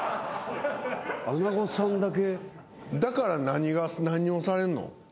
だから何をされんの？